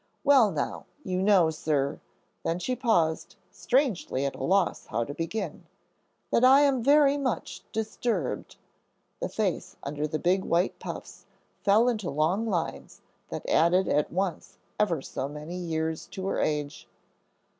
"Well, now, you know, sir," then she paused, strangely at a loss how to begin, "that I am very much disturbed;" the face under the big white puffs fell into long lines that added at once ever so many years to her age.